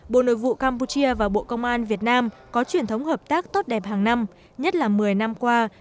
bộ nội vụ campuchia và bộ công an việt nam có truyền thống hợp tác tốt đẹp hàng năm nhất là một mươi năm qua